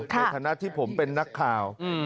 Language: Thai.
ในฐานะที่ผมเป็นนักข่าว